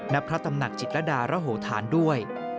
ณพระตำหนักจิตรดารโหธานด้วย